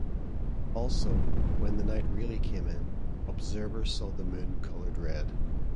Also, when the night really came in, observers saw the Moon colored red.